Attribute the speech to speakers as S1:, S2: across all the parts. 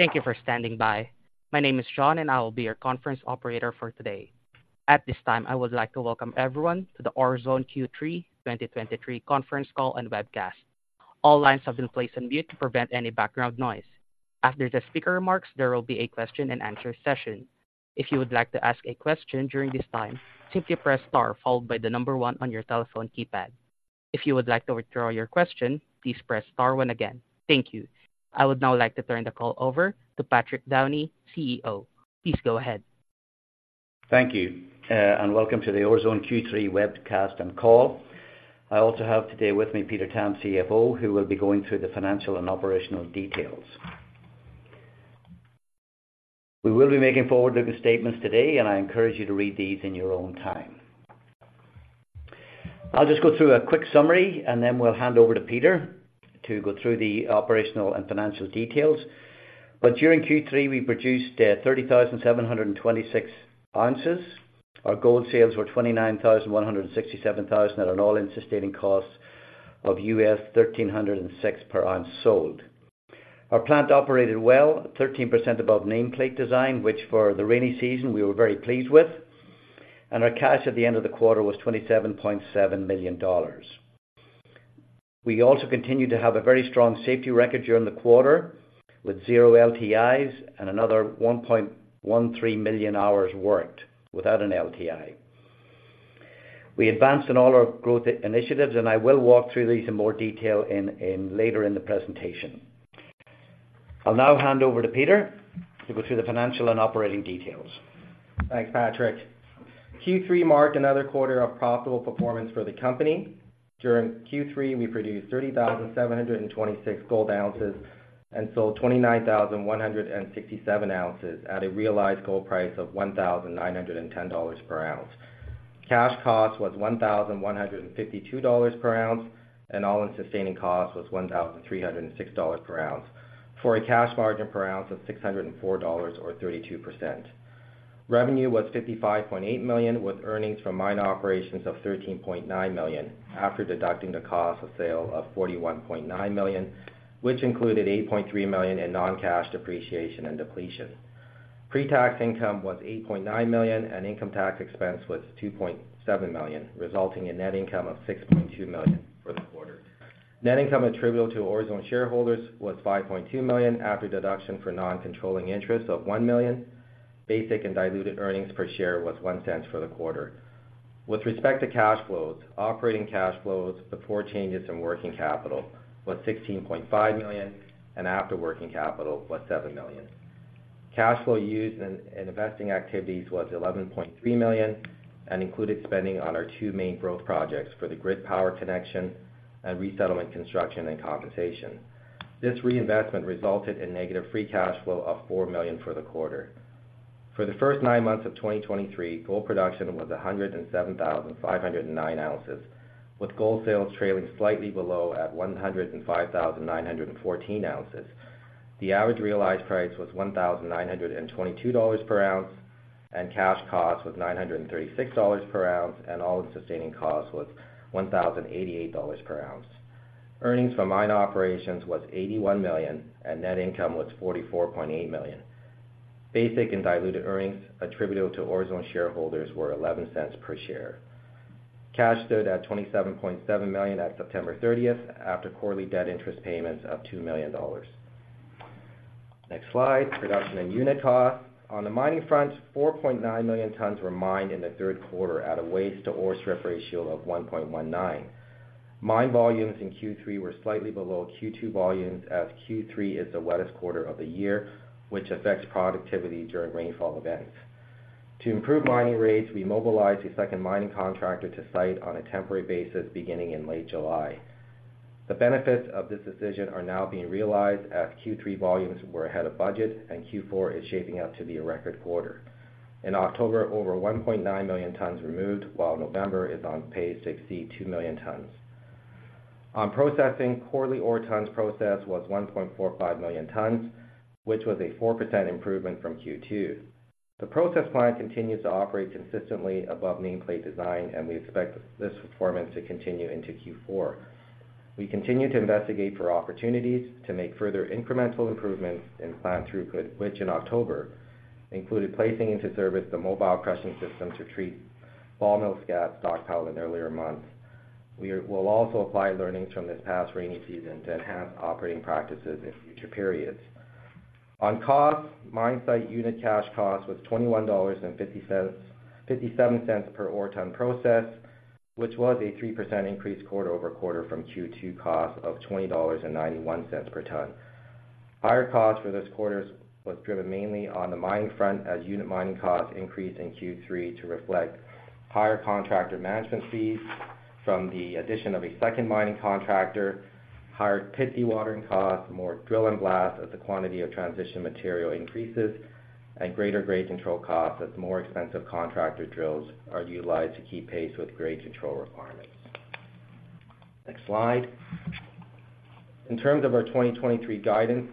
S1: Thank you for standing by. My name is John, and I will be your conference operator for today. At this time, I would like to welcome everyone to the Orezone Q3 2023 conference call and webcast. All lines have been placed on mute to prevent any background noise. After the speaker remarks, there will be a question-and-answer session. If you would like to ask a question during this time, simply press star followed by the number one on your telephone keypad. If you would like to withdraw your question, please press star one again. Thank you. I would now like to turn the call over to Patrick Downey, CEO. Please go ahead.
S2: Thank you, and welcome to the Orezone Q3 webcast and call. I also have today with me Peter Tam, CFO, who will be going through the financial and operational details. We will be making forward-looking statements today, and I encourage you to read these in your own time. I'll just go through a quick summary, and then we'll hand over to Peter to go through the operational and financial details. But during Q3, we produced 30,726 ounces. Our gold sales were 29,167 at an all-in sustaining cost of $1,306 per ounce sold. Our plant operated well, 13% above nameplate design, which for the rainy season, we were very pleased with, and our cash at the end of the quarter was $27.7 million. We also continued to have a very strong safety record during the quarter, with zero LTIs and another 1.13 million hours worked without an LTI. We advanced in all our growth initiatives, and I will walk through these in more detail later in the presentation. I'll now hand over to Peter to go through the financial and operating details.
S3: Thanks, Patrick. Q3 marked another quarter of profitable performance for the company. During Q3, we produced 30,726 gold ounces and sold 29,167 ounces at a realized gold price of $1,910 per ounce. Cash cost was $1,152 per ounce, and all-in sustaining cost was $1,306 per ounce, for a cash margin per ounce of $604 or 32%. Revenue was $55.8 million, with earnings from mine operations of $13.9 million, after deducting the cost of sale of $41.9 million, which included $8.3 million in non-cash depreciation and depletion. Pre-tax income was $8.9 million, and income tax expense was $2.7 million, resulting in net income of $6.2 million for the quarter. Net income attributable to Orezone shareholders was $5.2 million, after deduction for non-controlling interest of $1 million. Basic and diluted earnings per share was $0.01 for the quarter. With respect to cash flows, operating cash flows, before changes in working capital, was $16.5 million, and after working capital was $7 million. Cash flow used in investing activities was $11.3 million and included spending on our two main growth projects for the grid power connection and resettlement, construction, and compensation. This reinvestment resulted in negative free cash flow of $4 million for the quarter. For the first nine months of 2023, gold production was 107,509 ounces, with gold sales trailing slightly below at 105,914 ounces. The average realized price was $1,922 per ounce, and cash cost was $936 per ounce, and all-in sustaining cost was $1,088 per ounce. Earnings from mine operations was $81 million, and net income was $44.8 million. Basic and diluted earnings attributable to Orezone shareholders were $0.11 per share. Cash stood at $27.7 million at September 30, after quarterly debt interest payments of $2 million. Next slide, production and unit cost. On the mining front, 4.9 million tons were mined in the third quarter at a waste to ore strip ratio of 1.19. Mine volumes in Q3 were slightly below Q2 volumes, as Q3 is the wettest quarter of the year, which affects productivity during rainfall events. To improve mining rates, we mobilized a second mining contractor to site on a temporary basis beginning in late July. The benefits of this decision are now being realized as Q3 volumes were ahead of budget, and Q4 is shaping up to be a record quarter. In October, over 1.9 million tons were moved, while November is on pace to exceed two million tons. On processing, quarterly ore tons processed was 1.45 million tons, which was a 4% improvement from Q2. The process plant continues to operate consistently above nameplate design, and we expect this performance to continue into Q4. We continue to investigate for opportunities to make further incremental improvements in plant throughput, which in October included placing into service the mobile crushing system to treat ball mill scats stockpiled in earlier months. We will also apply learnings from this past rainy season to enhance operating practices in future periods. On cost, mine site unit cash cost was $21.57 per ore ton processed, which was a 3% increase quarter-over-quarter from Q2 cost of $20.91 per ton. Higher costs for this quarter was driven mainly on the mining front, as unit mining costs increased in Q3 to reflect higher contractor management fees from the addition of a second mining contractor, higher pit dewatering costs, more drill and blast as the quantity of transition material increases, and greater grade control costs as more expensive contractor drills are utilized to keep pace with grade control requirements. Next slide. In terms of our 2023 guidance,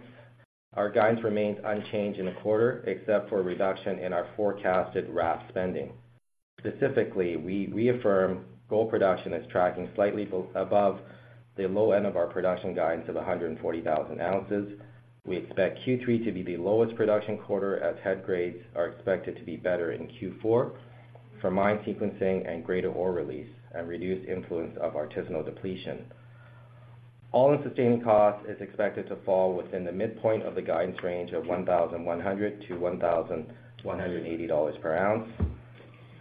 S3: our guidance remains unchanged in the quarter, except for a reduction in our forecasted RAP spending. Specifically, we reaffirm gold production is tracking slightly above the low end of our production guidance of 140,000 ounces. We expect Q3 to be the lowest production quarter, as head grades are expected to be better in Q4 from mine sequencing and greater ore release and reduced influence of artisanal depletion. All-in sustaining cost is expected to fall within the midpoint of the guidance range of $1,100-$1,180 per ounce.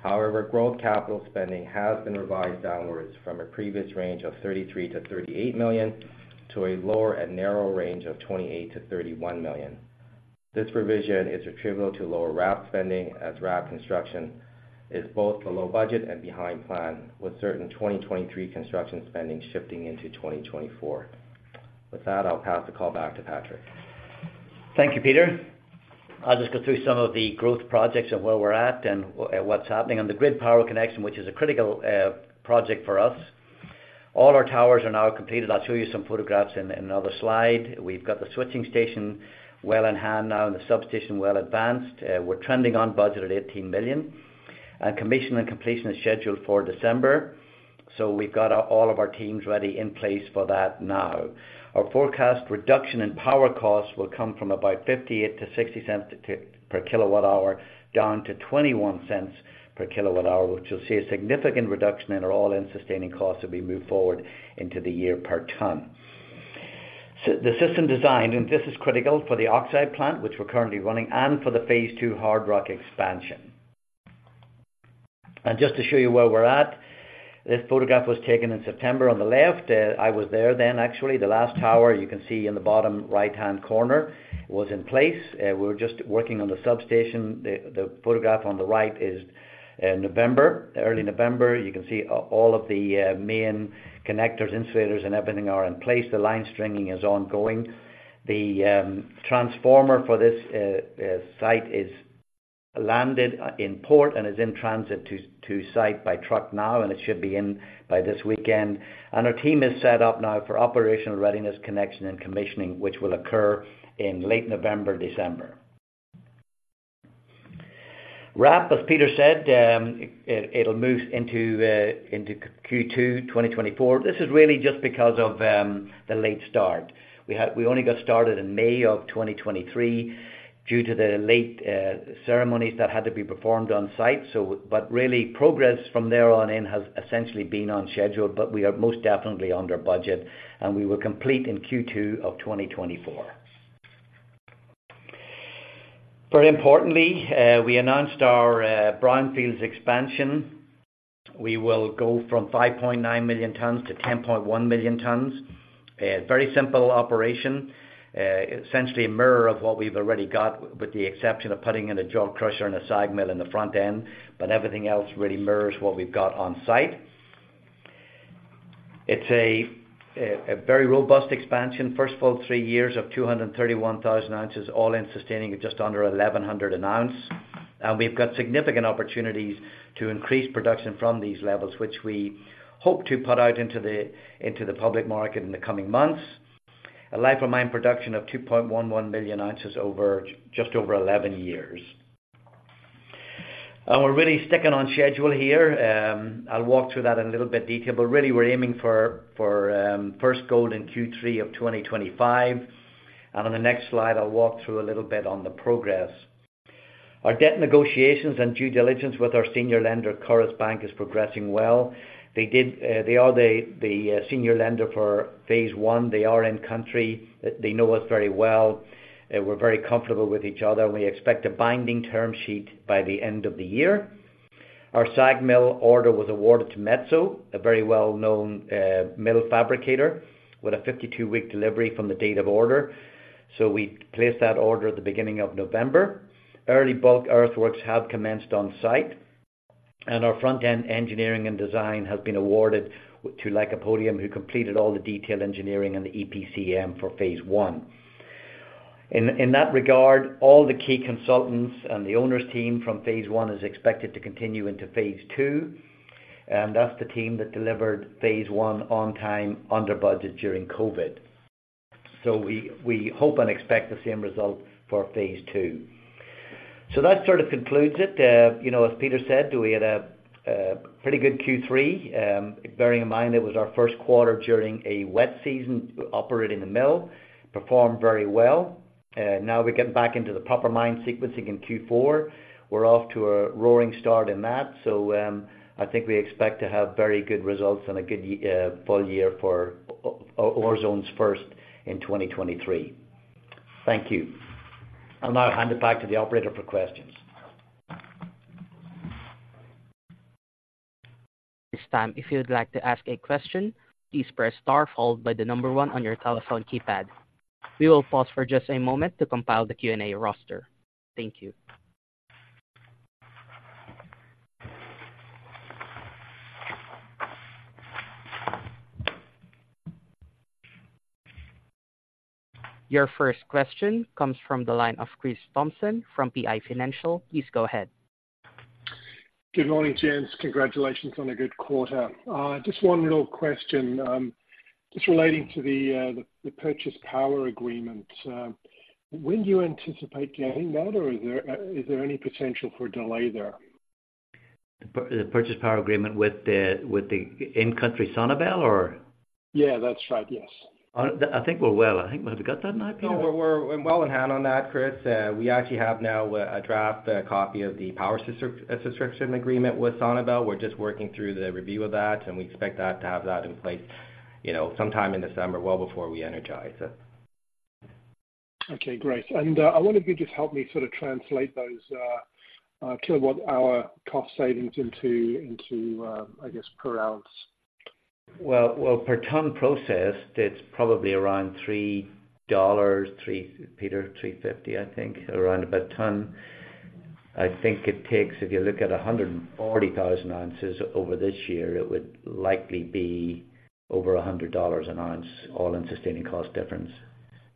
S3: However, growth capital spending has been revised downwards from a previous range of $33 million-$38 million, to a lower and narrower range of $28 million-$31 million. This revision is attributable to lower RAP spending, as RAP construction is both below budget and behind plan, with certain 2023 construction spending shifting into 2024. With that, I'll pass the call back to Patrick.
S2: Thank you, Peter. I'll just go through some of the growth projects and where we're at and what's happening. On the grid power connection, which is a critical project for us, all our towers are now completed. I'll show you some photographs in another slide. We've got the switching station well in hand now and the substation well advanced. We're trending on budget at $18 million, and commissioning and completion is scheduled for December. So we've got all of our teams ready in place for that now. Our forecast reduction in power costs will come from about $0.58-$0.60 per kWh, down to $0.21 per kWh, which you'll see a significant reduction in our all-in sustaining costs as we move forward into the year per ton. The system design, and this is critical for the oxide plant, which we're currently running, and for the Phase 2 hard rock expansion. And just to show you where we're at, this photograph was taken in September on the left. I was there then, actually. The last tower, you can see in the bottom right-hand corner, was in place. We were just working on the substation. The photograph on the right is November, early November. You can see all of the main connectors, insulators, and everything are in place. The line stringing is ongoing. The transformer for this site is landed in port and is in transit to site by truck now, and it should be in by this weekend. Our team is set up now for operational readiness, connection, and commissioning, which will occur in late November, December. RAP, as Peter said, it'll move into Q2 2024. This is really just because of the late start. We only got started in May 2023 due to the late ceremonies that had to be performed on site. So but really, progress from there on in has essentially been on schedule, but we are most definitely under budget, and we will complete in Q2 2024. Very importantly, we announced our brownfield expansion. We will go from 5.9 million tons to 10.1 million tons. Very simple operation, essentially a mirror of what we've already got, with the exception of putting in a jaw crusher and a SAG mill in the front end. But everything else really mirrors what we've got on site. It's a very robust expansion. First of all, three years of 231,000 ounces, all-in sustaining cost of just under $1,100 an ounce. And we've got significant opportunities to increase production from these levels, which we hope to put out into the public market in the coming months. A life of mine production of 2.11 million ounces over just over 11 years. And we're really sticking on schedule here. I'll walk through that in a little bit detail, but really, we're aiming for first gold in Q3 of 2025. On the next slide, I'll walk through a little bit on the progress. Our debt negotiations and due diligence with our senior lender, Coris Bank, is progressing well. They are the senior lender for Phase 1. They are in country. They know us very well. We're very comfortable with each other, and we expect a binding term sheet by the end of the year. Our SAG mill order was awarded to Metso, a very well-known mill fabricator with a 52-week delivery from the date of order. We placed that order at the beginning of November. Early bulk earthworks have commenced on site, and our front-end engineering and design has been awarded to Lycopodium, who completed all the detail engineering and the EPCM for Phase 1. In that regard, all the key consultants and the owners' team from Phase 1 is expected to continue into Phase 2, and that's the team that delivered Phase 1 on time, under budget, during COVID. So we hope and expect the same result for Phase 2. So that sort of concludes it. You know, as Peter said, we had a pretty good Q3. Bearing in mind, it was our first quarter during a wet season, operating the mill, performed very well. Now we're getting back into the proper mine sequencing in Q4. We're off to a roaring start in that. So, I think we expect to have very good results and a good full year for Orezone's first in 2023. Thank you. I'll now hand it back to the operator for questions.
S1: At this time, if you would like to ask a question, please press star followed by the number one on your telephone keypad. We will pause for just a moment to compile the Q&A roster. Thank you. Your first question comes from the line of Chris Thompson from PI Financial. Please go ahead.
S4: Good morning, gents. Congratulations on a good quarter. Just one little question, just relating to the purchase power agreement. When do you anticipate getting that, or is there any potential for a delay there?...
S2: The power purchase agreement with the in-country SONABEL, or?
S4: Yeah, that's right. Yes.
S2: I think we're well. I think, have we got that in IP?
S3: No, we're well in hand on that, Chris. We actually have now a draft copy of the power subscription agreement with SONABEL. We're just working through the review of that, and we expect to have that in place, you know, sometime in December, well before we energize it.
S4: Okay, great. I wonder if you could just help me sort of translate those kilowatt-hour cost savings into, I guess, per ounce.
S2: Well, well, per ton processed, it's probably around $3, Peter, $3.50, I think, around about a ton. I think it takes, if you look at 140,000 ounces over this year, it would likely be over $100 an ounce, all-in sustaining cost difference.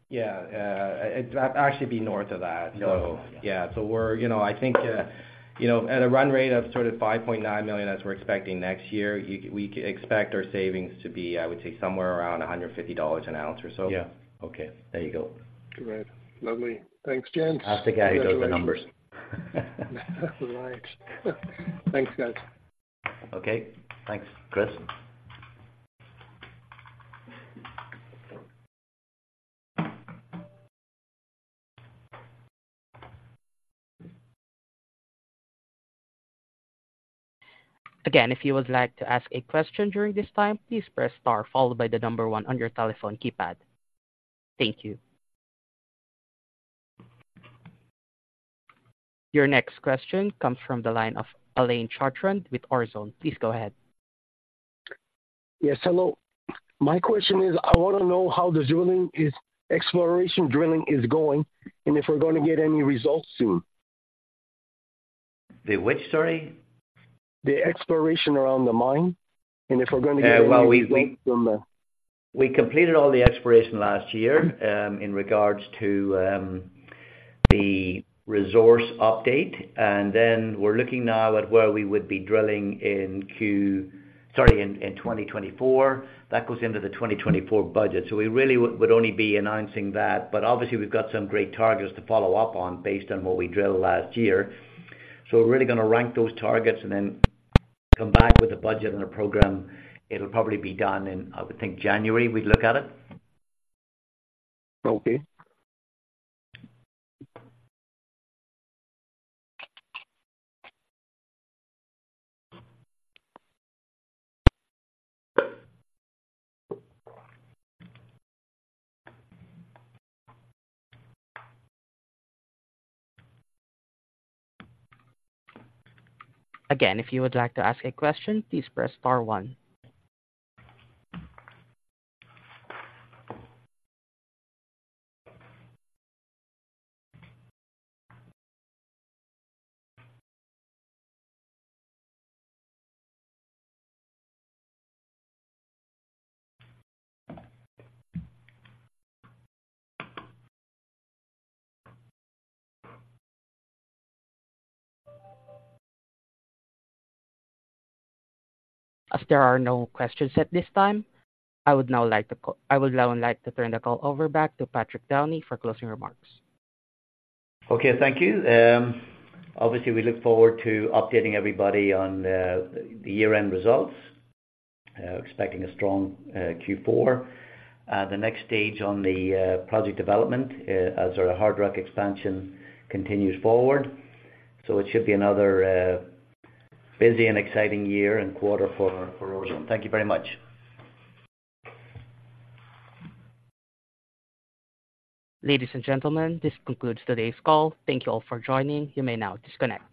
S3: Yeah. It'd actually be north of that.
S2: North of that.
S3: So yeah. So we're, you know, I think, you know, at a run rate of sort of 5.9 million, as we're expecting next year, you, we can expect our savings to be, I would say, somewhere around $150 an ounce or so.
S2: Yeah. Okay. There you go.
S4: Great. Lovely. Thanks, gents.
S2: Ask the guy who does the numbers.
S4: Right. Thanks, guys.
S2: Okay. Thanks, Chris.
S1: Again, if you would like to ask a question during this time, please press star, followed by the number one on your telephone keypad. Thank you. Your next question comes from the line of Alain Chartrand with Orezone. Please go ahead.
S5: Yes, hello. My question is, I want to know how the drilling is... exploration drilling is going, and if we're going to get any results soon?
S2: The which, sorry?
S5: The exploration around the mine, and if we're going to get-
S2: Well, we-
S5: -from the-
S2: We completed all the exploration last year in regards to the resource update. And then we're looking now at where we would be drilling in 2024. That goes into the 2024 budget, so we really would only be announcing that, but obviously we've got some great targets to follow up on based on what we drilled last year. So we're really gonna rank those targets and then come back with a budget and a program. It'll probably be done in, I would think, January, we'd look at it.
S5: Okay.
S1: Again, if you would like to ask a question, please press star one. As there are no questions at this time, I would now like to turn the call over back to Patrick Downey for closing remarks.
S2: Okay, thank you. Obviously, we look forward to updating everybody on the year-end results. Expecting a strong Q4. The next stage on the project development as our hard rock expansion continues forward. So it should be another busy and exciting year and quarter for Orezone. Thank you very much.
S1: Ladies and gentlemen, this concludes today's call. Thank you all for joining. You may now disconnect.